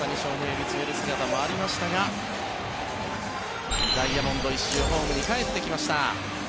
見つめる姿がありましたがダイヤモンド１周ホームにかえってきました。